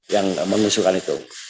yang mengusulkan itu